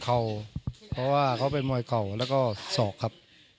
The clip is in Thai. เพราะว่าเขาเป็นมวยเก่าแล้วก็ศอกครับ